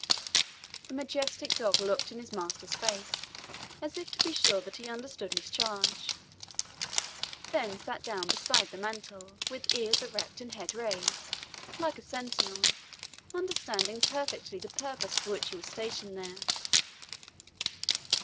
The majestic dog looked in his master's face, as if to be sure that he understood his charge, then sat down beside the mantle, with ears erect and head raised, like a sentinel, understanding perfectly the purpose for which he was stationed there.